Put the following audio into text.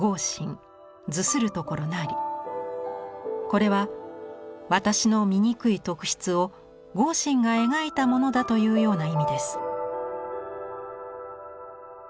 これは「私の醜い特質を豪信が描いたものだ」というような意味です。